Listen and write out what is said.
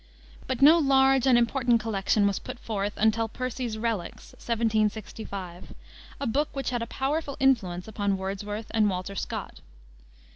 But no large and important collection was put forth until Percy's Reliques, 1765, a book which had a powerful influence upon Wordsworth and Walter Scott.